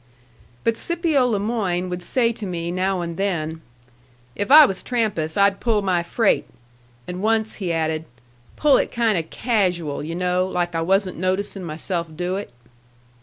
But Scipio le Moyne would say to me now and then, "If I was Trampas, I'd pull my freight." And once he added, "Pull it kind of casual, yu' know, like I wasn't noticing myself do it."